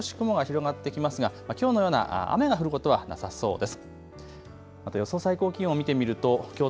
夜になって少し雲が広がってきますがきょうのような雨が降ることはなさそうです。